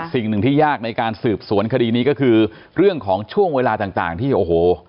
สิ่งหนึ่งที่ยากในการสืบสวนคดีนี้ก็คือเรื่องของช่วงเวลาต่างที่โอ้โห